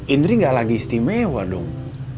indri gak lagi istimewa dong